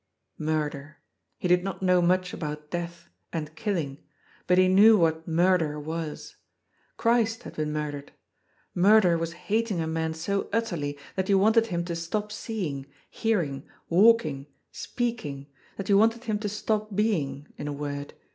Murder. He did not know much about " death " and " killing," but he knew what " murder " was. Christ had been murdered. Murder was hating a man so utterly that you wanted him to stop seeing, hearing, walking, speaking, that you wanted him to stop being, in a word.